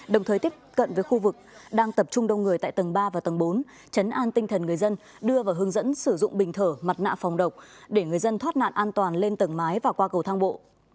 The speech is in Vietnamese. đồng thời tiếp cận với khu vực đang tập trung đông người tại tầng ba và tầng bốn chấn an tinh thần người dân đưa vào hướng dẫn sử dụng bình thở mặt nạ phòng độc để người dân thoát nạn an toàn lên tầng mái và qua cầu thang bộ